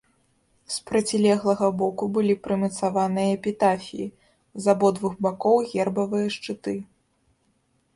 З процілеглага боку былі прымацаваныя эпітафіі, з абодвух бакоў гербавыя шчыты.